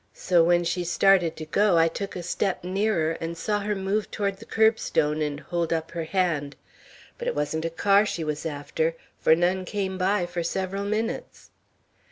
So when she started to go, I took a step nearer, and saw her move toward the curbstone and hold up her hand. But it wasn't a car she was after, for none came by for several minutes."